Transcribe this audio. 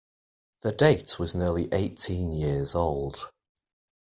The date was nearly eighteen years old.